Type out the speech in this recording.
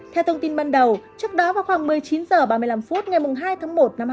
theo thông tin ban đầu trước đó vào khoảng một mươi chín h ba mươi năm phút ngày hai tháng một năm hai nghìn hai mươi